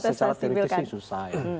secara teoritis sih susah ya